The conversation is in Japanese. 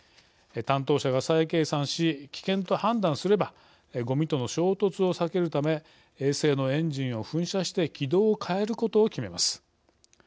担当者が再計算し危険と判断すればごみとの衝突を避けるため衛星のエンジンを噴射して軌道を変えることを決めます。